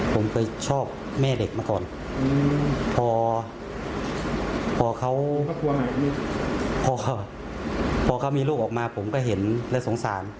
ผมเคยชอบแม่เด็กมาก่อนพอเขาพอเขามีลูกออกมาผมก็เห็นและสงสาร